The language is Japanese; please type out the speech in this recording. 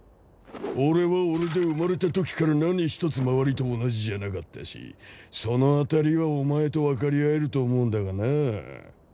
俺は俺で生まれたときから何一つ周りと同じじゃなかったしそのあたりはお前と分かり合えると思うんだがなぁ。